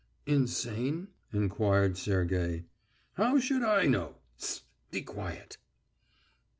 "Insane?" enquired Sergey. "How should I know? Hst, be quiet!..."